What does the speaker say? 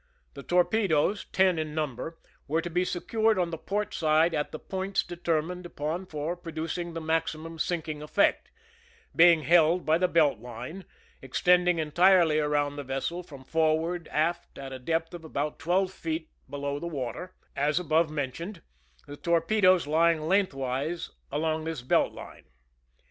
The torpedoes, ten in number, were to be secured on the port side at the points determined upon for producing the maximum sinking effect, being held by the belt line, extending entirely around the ves sel from forward aft at a depth of about twelve feet below the water, as above mentioned,'the torpedoes lying lengthwise along this belt line. (See plan on page 14.)